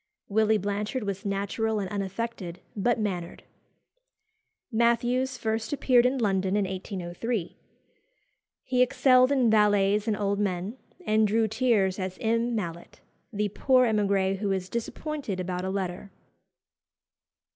Willy Blanchard was natural and unaffected, but mannered. Mathews first appeared in London in 1803. He excelled in valets and old men, and drew tears as M. Mallet, the poor emigré who is disappointed about a letter.